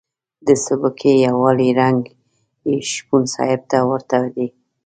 د سبکي یوالي رنګ یې شپون صاحب ته ورته دی.